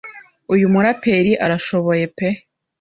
uyu muraperi arashoboye pe